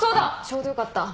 ちょうどよかった。